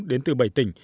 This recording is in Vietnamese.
đến từ bảy tỉnh